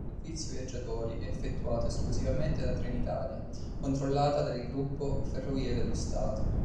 Il servizio viaggiatori è effettuato esclusivamente da Trenitalia controllata del gruppo Ferrovie dello Stato.